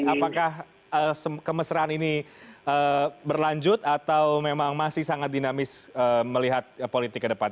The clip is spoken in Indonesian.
apakah kemesraan ini berlanjut atau memang masih sangat dinamis melihat politik ke depan